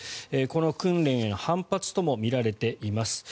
この訓練への反発ともみられています。